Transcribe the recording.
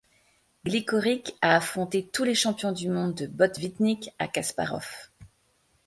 Gligorić a affronté tous les champions du monde de Botvinnik à Kasparov.